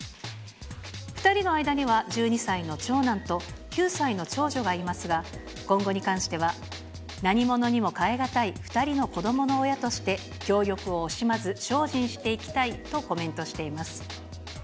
２人の間には、１２歳の長男と９歳の長女がいますが、今後に関しては、何ものにも代え難い２人の子どもの親として協力を惜しまず、精進していきたいとコメントしています。